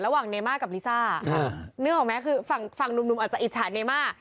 ระหว่างเนม่ากับลิซ่านึกออกไหมคือฝั่งหนุ่มอาจจะอิจฉาเนม่า